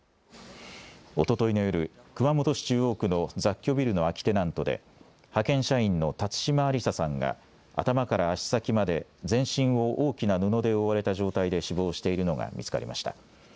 おとといの夜、熊本市中央区の雑居ビルの空きテナントで、派遣社員の辰島ありささんが、頭から足先まで、全身を大きな布で覆われた状態で死亡しているのが見つかりました。